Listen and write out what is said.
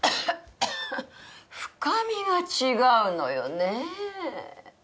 深みが違うのよねえ。